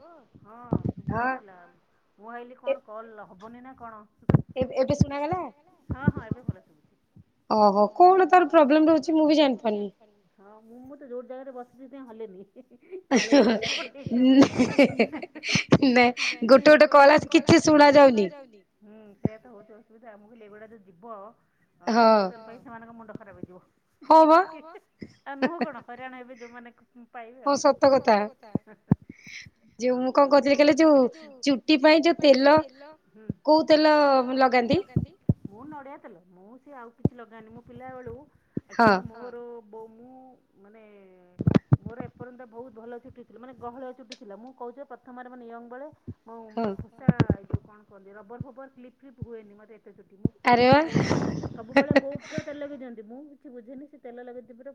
ହଁ ଶୁଭୁନଥିଲା। ମୁଁ ଭାଇଲି କଣ କଲ୍ ହବନି ନା କଣ? ଏବେ ଏବେ ଶୁଣାଗଲା ଓହୋ କଣ ତାର ପ୍ରୋବ୍ଲେମ ରହୁଚି ମୁଁ ବି ଜାଣିପାରୁନି। ହଁ ମୁଁ ମୁଁ ତ ଯୋଉ ଜାଗାରେ ବସିଚି ସେଇଥି ହଲେନି କାଳେ ଉଁ ହେଁ ହେଁ ହେଁ ହେଁ। ନ୍ଦେ ଗୋଟେ ଗୋଟେ କଲ ଆସୁ କିଛି ଶୁଣା ଯାଉନି। ହୁଁ ସେଇୟା ତ ହଉଚି ଅସୁବିଧା ଆ ମୁଁ କହିଲି ଏଇଗୁଡ଼ା ଯଦି ଯିବ ହଁ ଟ୍ରାନସକ୍ରିପସନ୍ ପାଇଁ ସେମାନଙ୍କ ମୁଣ୍ଡ ଖରାପ ହେଇଯିବ ଆଉ ନୁହଁ କଣ ହଇରାଣ ହେବେ ଯୋଉମାନେ ପାଇବେ ଆଉ। ଜଉ ମୁଁ କଣ କହୁଥିଲି କହିଲ ଯୋଉ ଚୁଟି ପାଇଁ ଯୋଉ ତେଲ କଉ ତେଲ ଲଗାନ୍ତି? ମୁଁ ନଡିଆ ତେଲ ମୁଁ ସେ ଆଉ କିଛି ଲଗାନି ମୋ ପିଲା ବେଳୁ ଅକ୍ଚୋଲି ମୁଁ ମୋ ବୋ ମୁଁ ମାନେ ମୋର ଏପର୍ଯ୍ୟନ୍ତ ବହୁତ ଭଲ ଅଛି। ମାନେ ଗହଳ ଚୁଟି ଥିଲା ମୁଁ କହୁଚି ପା ପ୍ରଥମରେ ମାନେ ୟଙ୍ଗ ବେଳେ ମୁଁ ମାନେ ଟା ଏ ଯୋଉ କଣ କହନ୍ତି ରବର ଫବର କ୍ଲିପ୍ ଫ୍ଲିପ ହୁଏନି ମତେ ଏତେ ଚୁଟି ମୁଁ ମୁଁ ସବୁବେଳେ ବୋଉ କୁ କୁହେ ତେଲ ଲଗେଇ ଦିଅନ୍ତି ମୁଁ କିଛି ବୁଝେନି ସେ ତେଲ ଲଗେଇ ଦେ ପୁରା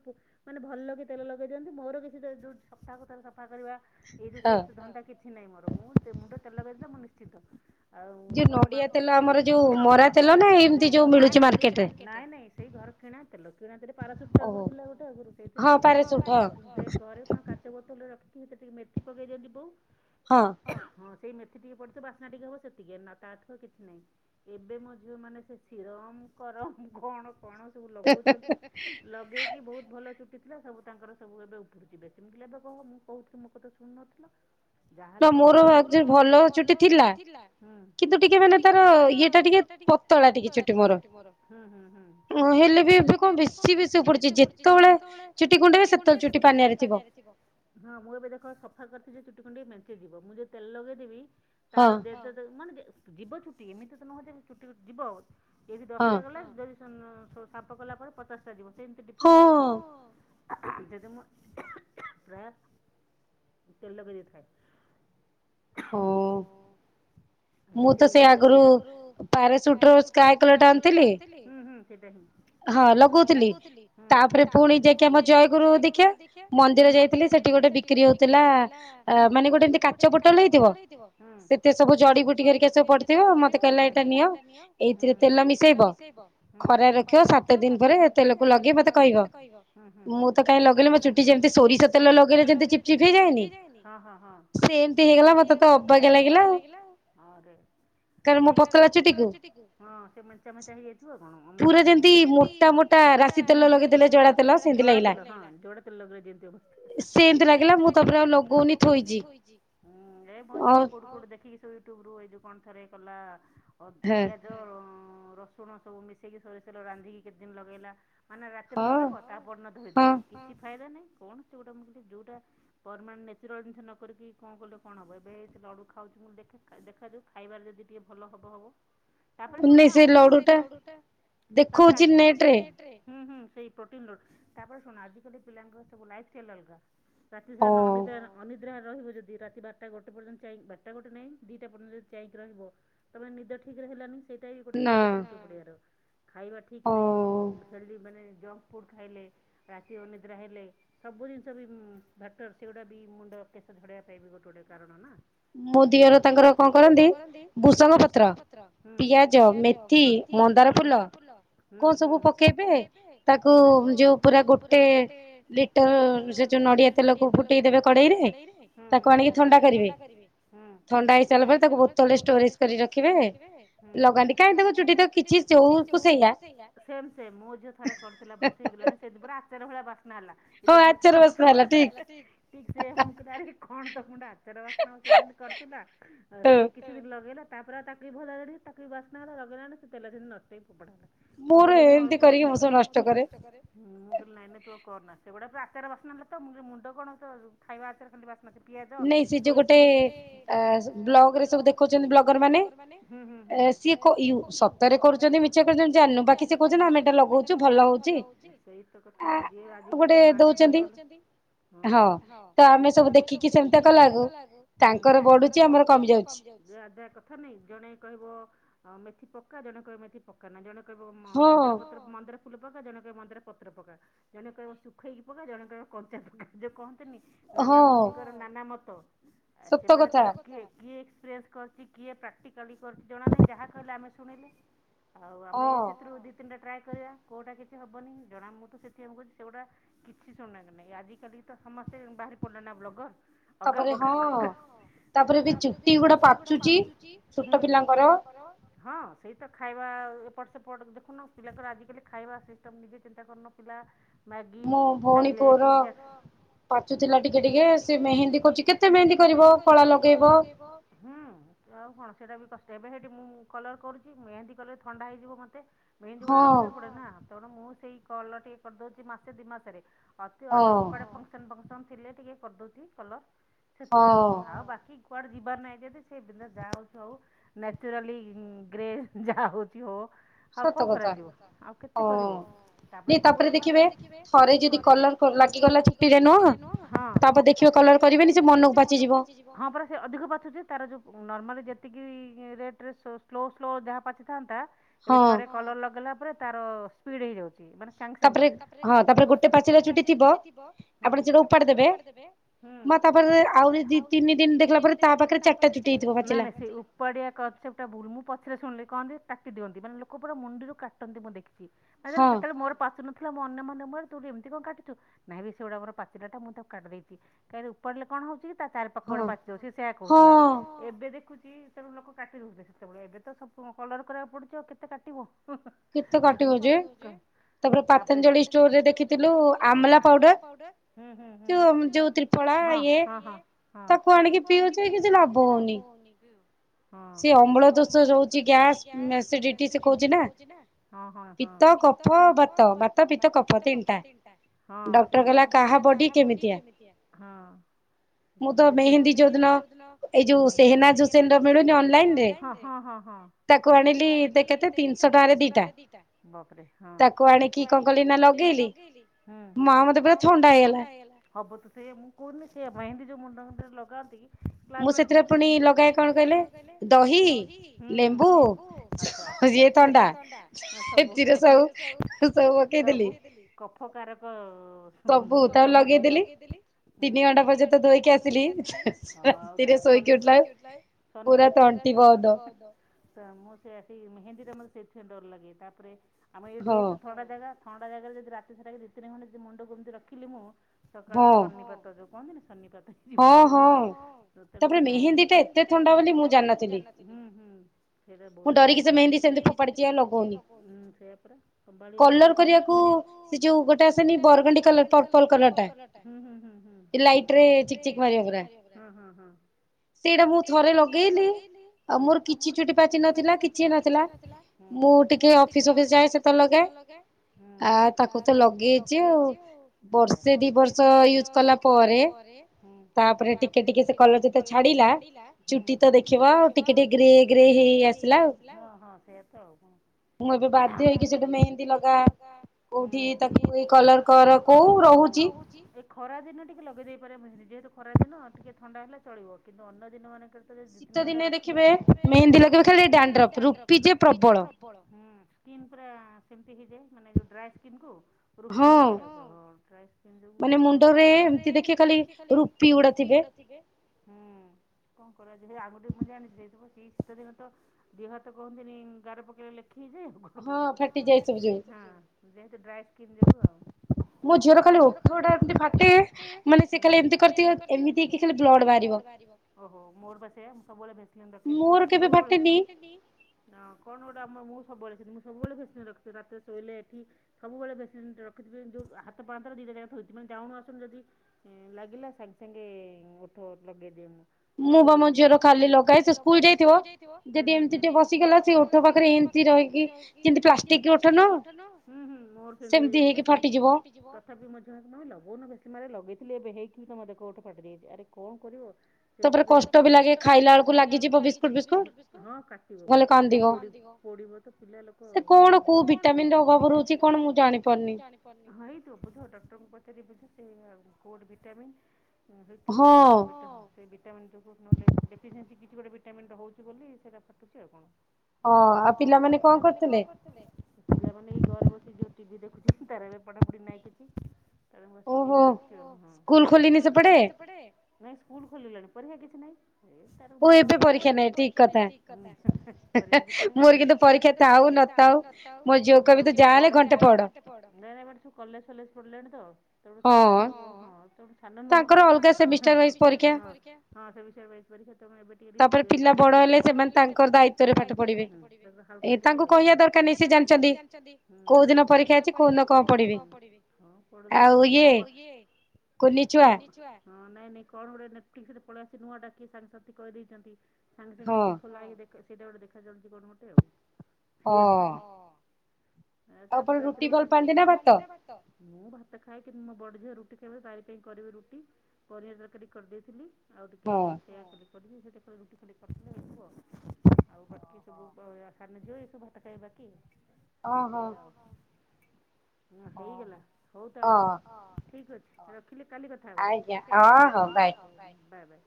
ମାନେ ଭଲ କି ତେଲ ଲଗେଇ ଦିଅନ୍ତି ମୋର କିଛି ସେ ଜଉ ସପ୍ତାହ ତାରେ ସଫା କରିବା ଏଇ ଯୋଉ ସେ ଧନ୍ଦା କିଛି ନାହିଁ ମୋର ମୁଁ ମୁଣ୍ଡ ତେଲ ଲଗେବିତ ମୁଁ ନିଶ୍ଚିନ୍ତ। ଆଉ ନଡିଆ ତେଲ ଆମର ଯୋଉ ମରା ତେଲ ନାଯୋଉ ମିଳୁଛି ମାର୍କେଟ ରେ। ସେଇ ଘର କିଣା ତେଲ କିଣା ତେଲ ପାରାସୁଟ୍ ତ ଆଗରୁ ଥିଲା ଗୋଟେ ଆଗରୁ ସେଇଥି ଘରେ କଣ କଚ ବୋତଲରେ ରଖିକି ସେ ଟିକେ ମେଥି ପକେଇ ଦିଅନ୍ତି ବଉ। ହଁ। ହଁ ସେଇ ମେଥି ଟିକେ ପଡିଥିବ ବାସ୍ନା ଟିକେ ହବ ସେତିକି ନା ତାଠୁ କିଛି ନହିଁ। ଏବେ ମୋ ଝିଅ ମାନେ ସେ ସିରମ କରମ କଣ କଣ ସବୁ ଲଗଉଛନ୍ତି। ଲଗେଇକି ବହୁତ ଭଲ ଚଛୁଟି ଥିଲା ସବୁ ତାଙ୍କର ସବୁ ଏବେ ଉପୁଡୁଛିିବେସି ମୁଁ କହିଲି ଆବେ କହନୁ। କହୁଥିଲି ମୋ କଥା ତ ଶୁଣୁ ନଥିଲ। ଯା ମୋର ଭଲ ଚୁଟି ଥିଲା କିନ୍ତୁ ଟିକେ ମାନେ ତାର ଇଏ ଟା ଟିକେ ପତଳା ଟିକେ ଚୁଟି ମୋର ହେଲେ ବି ଏବେ କଣ ବେଶୀ ବେଶୀ ପଡୁଛି ଯେତେବେଳେ ଚୁଟି କୁଣ୍ଡେ ବେ ସେତେଳେ ଚୁଟି ପାନିଆରେ ଥିବ। ହଁ ମୁଁ ଏବେ ଦେଖ ସଫା କରିଥିଲି ଚୁଟି କୁଣ୍ଡେଇ ମେଞ୍ଚେଇିବ ମୁଁ ଯୋଉ ତେଲ ଲଗେଇଦେବି ତାର ଦେ ଦେ ଦେଶ ମାନେ ଯେ ଯିବ ଛୁଟି ଏମିତି ତ ନୁହଁଯେ ଛୁଟି ଯିବ ଆଉ। ଏଠି ଦଶଟା ଗଲେ ଯଦି ସାମ୍ଫ କଲା ପରେ ପଚାଶଟା ଯିବ ସେମିତି ଡିନ୍ସ ଆଉ କଣ। ଦେ ଦେ ମୋ ପ୍ରାୟ। ତେଲ ଲଗେଇ ଦେଇଥା ଏ। ମୁଁ ତ ସେ ଆଗରୁ ପାରାସୁଟ ର ସ୍କାଏ କଲରଟା ଆଣିଥିଲି? ହୁଁ ହୁଁ ସେଦା ହିଁ। ହଁ ଲଗଉଥିଲି ତାପରେ ପୁଣି ଯାଇକି ଆମ ଜୟଗୁରୁ ଦୀକ୍ଷା ମନ୍ଦିର ଯାଇଥିଲି ସେଠି ଗୋଟେ ବିକ୍ରି ହଉଥିଲା ମାନେ ଗୋଟେ ଏମିତି କାଚ ବୋଟଲ ହେଇଥିବ ସେତେ ସବୁ ଜଡି ବୁଟି କର [inaudible] ମତେ କହିଲା ଏଇଟା ନିଅ ଏଥିରେ ତେଲ ମିଶେଇବ ଖରାରେ ରଖିବ ସାତ ଦିନ ପରେ ତେଲକୁ ଲଗେଇ ମୋତେ କହିବ? ମୁଁ ତ କାଇଁ ଲଗେଇଲି ମୋ ଚୁଟି ଯେମିତି ସୋରିଷ ତେଲ ଲଗେଇଲେ ଯେମିତି ଚିପ ଚିପ୍ ହେଇଯାଇନି ସେମିତି ହେଇଗଲା ମତେ ତ ଅବାଗିଆ ଲାଗିଲା ଆଉ ହଁ ହଁ ସେ ମେଞ୍ଚା ମେଞ୍ଚା ହେଇଯାଇଥିବ କଣମେଇ ପୁରା ଯେମିତି ମୋଟା ମୋଟା ରାଶି ତେଲ ଲଗେଇଦେଲେ ଜଡ଼ା ତେଲ ଲଗେଇ ଦେଲେ ଯେମିତି ଅବସ୍ଥା। ସେମତି ଲାଗିଲା ମୁଁ ତାପରେ ଆଉ ଲଗଉନି ଥୋଇଛି। ଦେଖିକି ୟୁଟୁବରୁ ଏଇ ଯଉ କଣ ଥରେ କଲା ପିଆ ଜ ରସୁଣ ସବୁ ମିଶେଇକି ସୋରିଷ ତେଲ ରାନ୍ଧିକି କେତେ ଦିନ ଲଗେଇଲା? ମାନେ ରାତିରେ ଲଗେଇବ ତା ପରଦିନ ଧୋଇଦବ କିଛି ଫାଇଦା ନାଇଁ କଣ ସେ ଗୋଟା ମୁଁ କହିଲି ଯୋଉଟା ପରମାଣ୍ଟ ନେଚୁରାଲ ଜିନିଷ ନ କରିକି କଣ କଲେ କଣ ହେବ ଏବେ ଲଡ଼ୁ ଖାଉଛି ମୁଁ ଦେଖେ ଦେଖାଯାଉ ଖାଇବାର ଯଦି ଟିକିଏ ଭଲ ହବ ହବ। ହ ତାପରେ ଶୁଣୁନ ଆଜି ଲଡୁଟା ଦେଖଉଛି ନେଟରେ। ହୁଁ ହୁଁ ସେଇ ପ୍ରୋଟିନ୍ ଲଡୁ ତାପରେ ଶୁଣ ଆଜିକାଲି ପିଲାଙ୍କର ସବୁ ଲାଇଫଷ୍ଟାଇଲ୍ ଅଲଗା ରାତିସାରା ଅନିଦ୍ରା ର ଅନି ଅନିଦ୍ରା ରହିବ ଯଦି ରାତି ବାରଟା ଗୋଟେ ପର୍ଯ୍ୟନ୍ତ ବାରଟା ଗୋଟେ ନାଇଁ ଦିଟା ପର୍ଯ୍ୟନ୍ତ ଯଦି ଚେଇଁକି ରହିବ। ତମେ ନିଦ ଠିକରେ ହେଲାନି ସେଇଟା ବି ଗୋଟେ କାରଣ ଚୁଟି ଉପୁଡ଼ିବାର। ଖାଇବା ଠିକ୍ ନାହିଁ ହେଲ୍ଦି ମାନେ ଜଙ୍କ ଫୁଡ଼୍ ଖାଇଲେ ରାତି ଅନିଦ୍ରା ହେଲେ ସବୁ ଜିନିଷ ବି ଫ୍ୟାକ୍ଟର ସେଗୁଡ଼ା ବି ମୁଣ୍ଡ କେଶ ଝଡ଼େଇବା ପାଇଁ ବି ଗୋଟେ ଗୋଟେ କାରଣ ନା ମୋ ଦିଅର ତାଙ୍କର କଣ କରନ୍ତି ଭୂସଙ୍ଗ ପତ୍ର ପିଆଜ ମେ ଥି ମନ୍ଦାର ଫୁଲ କୋଉ ସବୁ ପକେଇବେ ତାକୁ ଯୋଉ ପୁରା ଗୋଟେ ଲିଟର ସେ ଯୋଉ ନଡିଆ ତେଲକୁ ଫୁଟେଇ ଦେବେ କଡେଇରେ ତାକୁ ଆଣିକି ଥଣ୍ଡା କରିବେ। ଥଣ୍ଡା ହେଇସାରିଲା ପରେ ତାକୁ ବୋତଲରେ ଷ୍ଟୋରେଜ କରି ରଖିବେ ଲଗାନ୍ତି କାଇଁ ତା ଚୁଟି ତ ସେମ ସେମ୍ ମୋ ଝିଅ ଥରେ କରୁଥିଲା ବର୍ଷେ ହେଇଗଲାଣି। ସେପୁରା ଆଚାର ଭଳିଆ ବାସ୍ନା ହେଲା ଏ ଯୋଉ ଭୃଷଙ୍ଗ ପତ୍ର ଠିକ ସେୟା ମୁଁ ତାର କଣ ତୋ ମୁଁଣ୍ଡ ଆଚାର ବାସ୍ନା ଆଉ ସେ ଯେମିତି କରିଥିଲା ଆଉ ସିଏ ଲଗେଇଲା ତାପରେ ଆଉ କି ଭଲ ଲାଗିଲାନି ବାସ୍ନା ହେଲା ଲଗେଇଲାଣି ସେ ତେଲ ସେନ୍ତି ନଷ୍ଟ ଫୋପଡା ହେଲା। ମୁଁ କହିଲି ନାଇଁ ନାଇଁ ତୁ କରନା। ସେଗୁଡ଼ା ଆଚାର ବାସ୍ନା ହେଲା ତ ମୁଣ୍ଡ କଣ ତୋର ଖାଇବା ଆଚାର ବାସୁଛି ଗୋଟେ ବ୍ଲଗରେ ସବୁ ଦେଖଛନ୍ତି ବ୍ଲଗରମାନେ। ସିଏ ସତରେ କରୁଛନ୍ତି ମିଛ କରୁଛନ୍ତି ଜାଣିନୁ ବାକି ସେ କହୁଛନ୍ତି ଆମେ ଏଟା ଲଗଉଛୁ ଭଲ ହଉଛି। ସେଇତ କଥା ଯିଏ ଆଜିକାଲି ତ ମାର୍କେଟିଂ କରୁ ହଁ। ଦେଖିକି ସେମିତି କଲାଗୁ ତାଙ୍କର ବଢୁଛି ଆମର କମି ଯାଉଛି। ଆଦା କଥା ନାଇଁ ଜଣେ କହିବ ମେଥି ପକ୍କା ଜଣେ କହିବ ମେଥି ପକ ପ ଜଣେ କହିବ ମନ୍ଦାର ପତ୍ର ମନ୍ଦର ଫୁଲ ପକା ଜଣେ କହିବ ମନ୍ଦର ପତ୍ର ପକା ଜଣେ କହିବ ତୁ ପଖେଇକି ପକା ଜଣଙ୍କର କଞ୍ଚା ପକା ଯୋଉ କହନ୍ତିନି ନାନା ମୁୁନିଙ୍କର ନାନା ମତ। ଆ ସେମାନଙ୍କର କିଏ କିଏ? ଚେଞ୍ଜ କରିଛି କିଏ ପ୍ରାକ୍ଟିକାଲି କରିଛି ଜଣା ନାହିଁ ଯାହା କହିଲେ ଆମେ ଶୁଣିଲେ? ଆଉ ଆମେ ସେଥିରୁ ଦି ତିନିଟା ଟ୍ରାଏ କରିବା କୋଉଟା କିଛି ହବନି ଜଣା ମୁଁ ତ ସେଥି କହୁଛି ସେଗୁଡା କିଛି ଶୁଣ କ ନାଇଁ ଆଜିିକାଲି ତ ସମସ୍ତେ ବାହାରି ପଡ଼ିଲେ ନା ବ୍ଲଗର। ଅଗା ପଘା ଖଗା। ତାପରେ ଚୁଟି ଗୁଡା ପାଚୁଚି ଛୋଟ ପିଲାଙ୍କର ହଁ, ସେଇ ତ ଖାଇବା ଏପଟ ସେପଟ ଦେଖୁନ ପିଲାଙ୍କର ଆଜିକାଲି ଖାଇବା ସିଷ୍ଟମ୍ ନିଜେ ଚିନ୍ତା କରୁନ? ପିଲା ମ୍ୟାଗି ଖାଇଲେ ପିଜା ପାଚୁଥିଲା ଟିକେ ଟିକେ ସେ ମେହେନ୍ଦୀ କରୁଛି କେତେ ମେହେନ୍ଦୀ କରିବ କଳା ଲଗେଇବ। ହୁଁ। ଆଉ କଣ ସେଇଟା ବି କଷ୍ଟ ଏବେ ସେଇଠି ମୁଁ କଲର କରୁଛି ମେହେନ୍ଦି କଲେ ଥଣ୍ଡା ହେଇଯିବ ମତେ। ମେହନ୍ଦୀ ଗୁଡା ରଖିବାକୁ ପଡେ ନା, ତେଣୁ ମୁଁ ସେଇ କଲର ଟିକେ କରିଦଉଛି ମାସେ, ଦି ମାସରେ ଅତି ଅଜେଣ୍ଟ କୁଆଡେ ଫକସନ୍ ଫକସନ୍ ଥିଲେ ଟିକେ କରିଦଉଛି କଲର ସେତିକି ଆଉ ବାକି କୁଆଡ ଯିବାର ନାହିଁ ଯଦି ସେ [unintelligible] ଯାହା ହେଉଛି ହଉ। ନେଚୁରାଲି ଗ୍ରେସ୍ ଯାହା ହଉଛି ହଉ। ଆଉ କଣ କରାଯିବ ଆଉ କେତେ କରିବ ତାପରେ ସବୁ ନାଇ ଯଦି କଲର କର୍ ଲାଗିଗଲା ଚୁଟିରେ ନୁହଁ ତାପରେ ଦେଖିବ କଲର କରିବେନି ସେ ମନକୁ ପାଚି ହଁ, ପରା ସେ ଅଧିକ ପାଚୁଛି ତାର ଯଉ ନର୍ମାଲି ଯେତିକି ରେଟରେ ସ୍ଲୋ, ସ୍ଲୋ ଯାହା ପଚିଥାନ୍ତା ଏବେ ଥରେ କଲର ଲଗେଇଲା ପରେ ତାର ସ୍ପିଡ ହେଇଯାଉଛି ମାନେ ସାଙ୍ଗେ ସାଙ୍ଗେ ହଁ, ତାପରେ ଗୋଟେ ପାଚିଲା ଛୁଟି ଥିବ ଆପଣ ସେଟା ଉପାଡି ଦେବେ [unintelligible] ପୁଣି ଦି, ତିନି ଦିନ ଦେଖିଲା ପରେ ତା ପାଖରେ ଚାରିଟା ଚୁଟି ହେଇଥିବ ପାଚିଲା। ସେ ଉପାଡିବା କନସେପ୍ଟଟା ଭୁଲ ମୁଁ ପଛରେ ଶୁଣିଲି କହନ୍ତି କାଟି ଦିଅନ୍ତି ମାନେ ଲୋକ ପୁରା ମୁଣ୍ଡିରୁ କାଟନ୍ତି ମୁଁ ଦେଖିଛି। ଆରେ ଯେତେବେଳେ ମୋର ପାଚୁ ନଥିଲା ମୁଁ ଅନ୍ୟ ମାନେ ମୋର ନାଇଁ ବେ ସେଗୁଡ଼ା ମୋର ପାଚିଲା ଟା ମୁଁ ତାକୁ କାଟି ଦେଇଚି [unintelligible] ଉପାଡ଼ିଲେ କଣ ହଉଛିି ତା ଚା [unintelligible] ସେ ସେୟା କହୁଥିଲା ଏବେ ଦେଖୁଛି ସେତେବେଳେ ଲୋକ କାଟି ଦଉଥିଲେ ସେତେବେଳେ ଏବେ ତ ସବୁ କଲର କରିବାକୁ ପଡୁଛି ଆଉ କେତେ କାଟିବୁ। କେତେ କାଟିବୁ ଯେ ତାପରେ ପାତାଞ୍ଜଳି ଷ୍ଟୋରରେ ଦେଖି ଦେଖିଥିଲୁ ଆମଲା ପାଉଡର ଯୋ ଯୋଉ [unintelligible] ଇଏ ତାକୁ ଆଣିକି ପିଉଚି କିଛି ଲାଭ ହଉନି। [unintelligible] ସେ ଅମ୍ଳ ଦୋଷ ରହୁଛି ଗ୍ୟାସ୍ ଏସିଡିଟି ସେ କହୁଛି ନା। ହଁ, ହଁ। ପିତ, କଫ, ବାତ, ବାତ, ପିତ, କଫ କଫ ତିନିଟା, ଡକ୍ଟର କହିଲା କାହା ବଡି କେମିତିଆ? ମେହେନ୍ଦୀ ଯୋଉଦିନ ଏଇ ଯୋଉ ସେହେନା ଯୋ [inaudible] ମିଳୁନି ଅନାଲାଇନରେ ତାକୁ ଆଣିଲି ସେ କେତେ ତିନିଶହ ଟଙ୍କାରେ ଦିଟା ତାକୁ ଆଣିକି କଲି ନା ଲଗେଇଲି ମା ମତେ ପୁରା ଥଣ୍ଡା ହେଇଗଲା। ହବ ତ ସେ ମୁଁ କହୁନି ସେ ମେହେନ୍ଦି ଯୋଉ ମୁଣ୍ଡ ମୁଣ୍ଡରେ ଲଗାନ୍ତି ସେଥିରେ ପୁଣି ଲଗାଏ କଣ କହିଲେ ଦହି, ଲେମ୍ବୁ [unintelligible] କଫ କାରକ ଲଗେଇଦେଲି ତିନି ଘଣ୍ଟା ପର୍ଯ୍ୟନ୍ତ ଧୋଇକି ଆସିଲି ଶୋଇକି ଉଠିଲା ବେଳକୁ ପୁରା ତଣ୍ଟି ବନ୍ଦ। ତ ମୁଁ ସେ ଆସି ମେହେନ୍ଦୀ ଟା ମତେ ସେଥିପାଇଁ ଡର ଲାଗେ, ତାପରେ ଆମେ ଏଇଠି ରହୁଛୁ ଥଣ୍ଡା ଜାଗା। [unintelligible] ଜାଗାରେ ଯଦି ରାତି ସାରାବି ଦି, ତିନି ଘଣ୍ଟା ଯଦି ମୁଣ୍ଡକୁ ଏମିତି ରଖିଲି ମୁଁ ସକାଳ କୁ ସନିପାତ ଯୋଉ କୁହନ୍ତି ନି ସନିପାତ। ଓହୋ ମେହେନ୍ଦୀ ଟା ଏତେ ଥଣ୍ଡା ବୋଲି ମୁଁ ଜାଣି ହୁଁ, ହୁଁ। ମୁଁ ଡରିକି ସେ ମେହେନ୍ଦି ସେମିତି ଫୋପାଡ଼ିଛି ଆଉ ଲଗଉନି। କରିବାକୁ ସେ ଯୋଉ ଗୋଟେ ଆସେନି ବରଗଣ୍ଡି କଲର ପର୍ପଲ୍ କଲର୍ ଟା ଲାଇଟିରେ ଚିକ୍ ଚିକ୍ ମାରିବ ପୁରା। ସେଇଟା ମୁଁ ଥରେ ଲଗେଇଲି ଆଉ ମୋର କିଛି ଚୁଟି କିଛି ଚୁଟି ପାଚି ନଥିଲା କିଛି ନଥିଲା ମୁଁ ଟିକେ ଅଫିସ ଫଫିସ ଯାଏ ସେତେବେଲେ ଲଗାଏ। ହଁ, ଆ ତାକୁ ତ ଲଗେଇଛି ଆଉ ବର୍ଷେ ଦି ବର୍ଷ ୟୁଜ କଲା ପରେ ହୁଁ ତାପରେ ଟିକେ ଟିକେ ସେ କଲର୍ ତ ଛାଡିଲା ଚୁଟି ତ ଦେଖିବ ଆଉ ଟିକେ ଟିକେ ସେ ଗ୍ରେ ହେଇ ଆସିଲା ବାଧ୍ୟ ହେକି ସେଥିପାଇଁ ଠି ଲଗା କୋଉଠି ତାକୁ ଏ କଲର କ କୋଉ ରହୁଛି। ଏଇ ଖରା ଦିନ ଟିକେ ଲଗେଇ ଦେଇ ପାରେ ମେହେନ୍ଦି ଯେହେତୁ ଖରା ଦିନ ଟିକେ ଥଣ୍ଡା ହେଲେ ଚଳିବ କିନ୍ତୁ ଅନ୍ୟ ଦିନ ମାନେ [inaudible] ଦେଖିବେ ମେହେନ୍ଦି ଲଗେଇ ବେ ଦେଖିବେ ଖାଲି ଡାନ୍ଡ୍ରଫ୍ ରୂପୀ ଯେ ପ୍ରବଳ। ସ୍କିନ୍ ପୁରା ସେମିତି ହେଇଯାଏ ମାନେ ଯୋ ଡ୍ରାଏ ସ୍କିନ୍ କୁ ହଁ ମାନେ ମୁଣ୍ଡରେ ଦେଖିବେ ଖାଲି ରୁପି ଗୁଡା ଥିବେ। କଣ କର ଯେହ ଆଗୁଠିକେ ମୁଁ ଜଣିଛି ଯାଇଥିବ ସେଇ ଶୀତ ଦିନ ତ ଦିହ ହାତ କହନ୍ତିନି ଗାର ପକେଇଲେ ଲେଖି ହେଇଯାଏ। ହଁ ଫାଟି ଯାଏ ସବୁ ଯୋଉ। ହଁ ଯେହେତୁ ଡ୍ରାଇ ସ୍କିନ୍ ଯୋଗୁ ଆଉ। ମୋ ଝିଅର ଖାଲି ଓଠଉଡା ଏମିତି ଫାଟେ ମାନେ ସେ ଖାଲି ଏମିତି କରିଥିବ ଏମିତି ହେକି ଖାଲି ବ୍ଲଡ ବାହାରିବ। ଓହୋ ମୋର ପା ସେଆ ମୁଁ ସବୁବେଳେ ଭେସିଲିନ ରଖେ, ସବୁବେଳେ ହଁ କଣ ଗୋଟେ ଆ ମୁଁ ସବୁବେଳେ ମୁଁ ସବୁଳେ ସେମିତି ଭେସ୍ଲିନ ରଖିଥାଏ ରାତି ଶୋଇଲେ ଏଠି ସବୁବେଳେ ଭେସ୍ଲିନ ରଖିଥିବି ଯୋଉ ହାତ ପାହାନ୍ତ ରେ ଦି ଜାଗାରେ ଥୋଇଥିବି ଯାଉଣୁ ଆସୁନୁ ଯଦି ଉଁ ଲାଗିଲା ସାଙ୍ଗେ ସାଙ୍ଗେ ଓଠ ଲଗେଇଦିଏ ମୁ ସବୁବେଳେ ମୁଁ ବା ମୋ ଝିଅର ଖାଲି ଲଗାଏ ସେ ସ୍କୁଲ ଯାଇଥିବ ସେଟି ଏମତି ଟେ ବସିଗଲା ସେ ଓଠ ବା ରହିକି ଯେମିତି ପ୍ଲାଷ୍ଟିକ ଓଠ ତିକି ଉଠନ ମୋ ସେମ୍ତି ହେଇକି ଫାଟିଯିବ। ତଥାପି ମୋ ଝିଅ ମାନେ କହିବେ ଲଗଉନ ବେଶୀ ମାରେ ଲଗେଇଥିଲି ଏବେ ହେଇକି ବି ତମ ଦେଖ ଉଠୁ ଫାଟି ଦେଇଯାଇଛି ଆରେ କଣ କରିବ? ସେତେବେଳେ କଷ୍ଟ ବି ଲାଗେ ଖାଇଲା ବେଳକୁ ଲାଗିଯିବ ବିସ୍କୁଟ ଫିସ୍କୁଟ ବଲେ କାନ୍ଦିବ। ପୋଡ଼ିବ ତ ପିଲା ଲୋକ ଆଉ ଭିଟାମିନ୍ ର ଅଭାବ ରହୁଛି କଣ ମୁଁ ଜାଣିପାରୁନି। ହେଇଥିବ ବୁଝ ଡକ୍ଟରଙ୍କୁ ପଚାରି ବୁଝ କୋ ଭିଟାମନ୍। ହୁଁ ହେଇଥିବ। ସେ ଭିଟାମିନ ଯୋଗୁ ନହଲେ [unintelligible] କିଛି ଗୋଟେ ଭିଟାମିନନ୍ ହଉଛି ବୋଲି ସେଇଟା ଫାଟୁଛି ଆଉ କଣ। ଆଁ ଆଉ ପିଲାମାନେ କଣ କରୁଥିଲେ? [unintelligible] ପିଲାମାନେ ଏଇ ଘରେ ବସି ଯୋଉ ଟିଭି ଦେଖୁଛି ତାର ଏବେ ପଢାପଢି ନାଇଁ କିଛି। ଟିଭି ଦେହୁଥିବେ ଓହୋ ସ୍କୁଲ ଖୋଲିନି ସେପଟେ। ନାଇଁ ସ୍କୁଲ ଖୋଲିଲାଣି ପରିକ୍ଷା କିଛି ନାଇଁ। ଏବେ ପରୀକ୍ଷା ନାଇଁ ଠିକ କଥା। ପରୀକ୍ଷା ଥାଉ ନଥାଉ ମୋ ଝିଅ କୁ କହିବି ତ ଯାହା ହେଲେ ଘଣ୍ଟେ ପଢ। ନାଇଁନାଇ ଏମାନେ ସବ କଲେଜ ଫଲେଜ ପଢିଲେଣି ତ ତେଣୁ ତାଙ୍କର ଟିକେ ହଁ। ସାନ ନୁହଁ ପର ହଁ ହଁ ସେମିଷ୍ଟର ୱାଇଜ୍ ପରୀକ୍ଷା ତ ଏବେ ଟିକେ ତାପରେ ପିଲା ବଡ ହେଲେ ସେମାନେ ତାଙ୍କର ଦାୟିତ୍ଵରେ ପାଠ ପଢିବେ ତାଙ୍କୁ କହିବା ଦରକା ର ନାଇଁ ସେ ଜାଣିଛନ୍ତି କୋଉ ଦିନ ପରୀକ୍ଷା ଅଛି କୋଉ ଦିନ କଣ ପଢିବି ଆଉ ଇଏ କୁନି ଛୁଆ। ହଁ ନାଇଁ ନାଇଁ କଣ ଗୋଟେ ନେଟଫ୍ଲିକସ ରେ ପଳେଇଆସି ନୂଆ ଟା କିଏ ସାଙ୍ଗସାଥି କହିଦେଇଛନ୍ତି। ସାଙ୍ଗେ ସାଙ୍ଗେ ଆସି ଖୋଲାହେଇକି ଦେଖ ସେଇଟା ଗୋଟେ ଦେଖା ଚାଲଛି କଣ ଗୋଟେ ଆଉ [unintelligible] ତାପରେ ରାତିରେ ବସି ମୁଁ ଭାତ ଖାଏ କିନ୍ତୁ ମୋ ବଡ ଝିଅ ରୁଟି ଖାଇବ ତାରି ପାଇଁ କରିବି ରୁଟି ପନିର ତରକାରୀ କରିଦେଇଥିଲି। ଆଉ ଟିକେ ସେୟା ଚିଲି [unintelligible] ରୁଟି ଖାଲି କର୍ଦେଲେ ହେଇ ଯିବ। ଆଉ ବାକି ସବୁ ସାନ ଝିଅ ଏ ସବୁ ଭାତ ଖାଇବେ ବାକି। ଅ ହ। ହ ହେଇଗଲା ହଉ ତାହେଲେ ଠିକ ଅଛି। ରଖିଲି କାଲି କଥା ହବା ଓକେ ବାଏ ବାଏ।